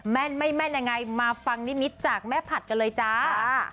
แม่นไม่แม่นยังไงมาฟังนิมิตจากแม่ผัดกันเลยจ้า